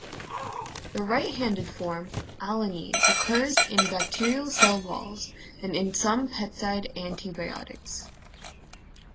The right-handed form, -Alanine occurs in bacterial cell walls and in some peptide antibiotics.